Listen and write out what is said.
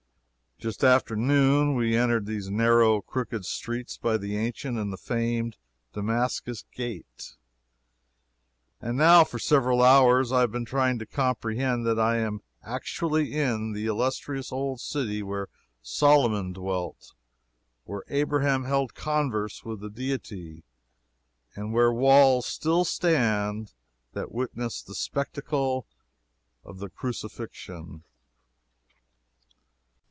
Just after noon we entered these narrow, crooked streets, by the ancient and the famed Damascus Gate, and now for several hours I have been trying to comprehend that I am actually in the illustrious old city where Solomon dwelt, where Abraham held converse with the Deity, and where walls still stand that witnessed the spectacle of the Crucifixion.